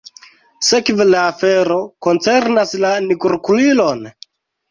Sekve la afero koncernas la nigrokulinon?